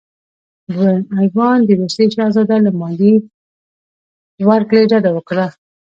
دویم ایوان د روسیې شهزاده له مالیې ورکړې ډډه وکړه.